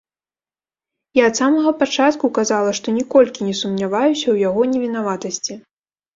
Я ад самага пачатку казала, што ніколькі не сумняваюся ў яго невінаватасці.